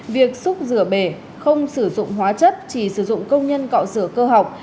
việc xúc rửa bể không sử dụng hóa chất chỉ sử dụng công nhân cọ rửa cơ học